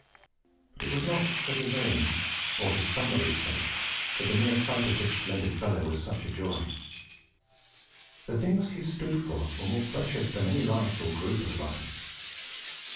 But it was not only for his own or for his family's sake that the mere sight of this splendid fellow was such a joy. The things he stood for were more precious than any life or group of lives.